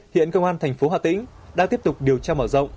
hiện công an thành phố hà tĩnh đang tiếp tục điều tra mở rộng